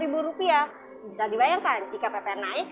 bisa dibayangkan jika ppn naik